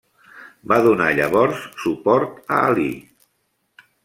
Va donar llavors suport a Alí.